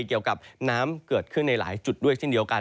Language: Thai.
เกี่ยวกับน้ำเกิดขึ้นในหลายจุดด้วยเช่นเดียวกัน